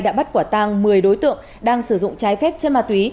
đã bắt quả tang một mươi đối tượng đang sử dụng trái phép chân ma túy